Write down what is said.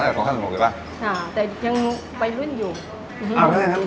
แต่ยังเอาไปรุ่นอยู่